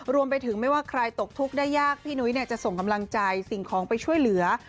รวมไปถึงไม่ว่าใครตกทุกข์ได้ยากพี่นุ้ยจะส่งกำลังใจสิ่งของไปช่วยเหลือ